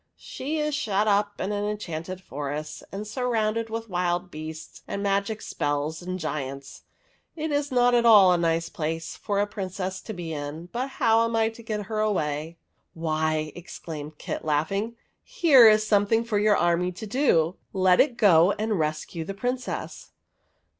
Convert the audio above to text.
"She is shut up in an enchanted forest, and arrounded with wild beasts and magic spells and giants. It is not at all a nice place for a Princess to be in, but how am I to get her away ?" "Why," exclaimed Kit, laughing, "here is something for your army to do. Let it go and rescue the Princess."